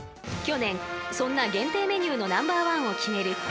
［去年そんな限定メニューのナンバー１を決める